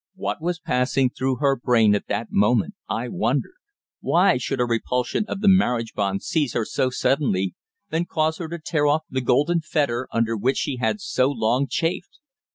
What was passing through her brain at that moment I wondered. Why should a repulsion of the marriage bond seize her so suddenly, and cause her to tear off the golden fetter under which she had so long chafed?